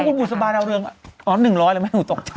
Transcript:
ปูปูสบายราวเรื่อง๑๐๐แหละแม่อยู่ตกใจ